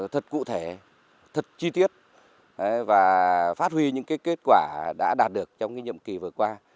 thật cụ thể thật chi tiết và phát huy những kết quả đã đạt được trong nhiệm kỳ vừa qua